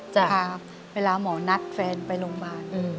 พาเวลาหมอนัดแฟนไปโรงบาล